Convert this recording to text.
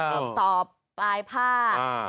ครับบอกสอบตายภาคอ้าว